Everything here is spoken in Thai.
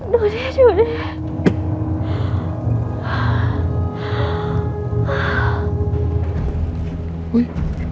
ดูนี่ดูนี่